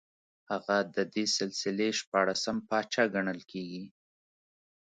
هغه د دې سلسلې شپاړسم پاچا ګڼل کېږي